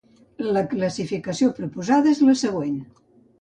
La classificació proposada és la següent.